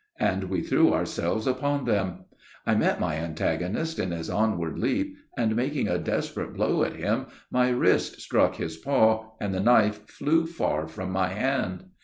And we threw ourselves upon them. I met my antagonist in his onward leap, and making a desperate blow at him, my wrist struck his paw, and the knife flew far from my hand.